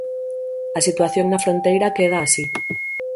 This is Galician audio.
A situación na fronteira queda así.